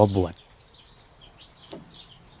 ได้บวช